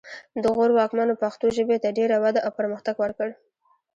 د غور واکمنو پښتو ژبې ته ډېره وده او پرمختګ ورکړ